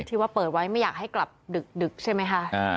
ที่ว่าเปิดไว้ไม่อยากให้กลับดึกใช่ไหมคะ